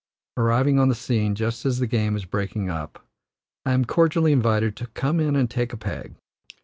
Arriving on the scene just as the game is breaking up, I am cordially invited to "come in and take a peg."